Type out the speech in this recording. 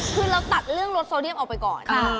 คือเราตัดเรื่องรถโซเดียมออกไปก่อน